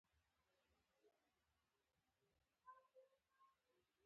قوم باید د ورورولۍ نوم وي.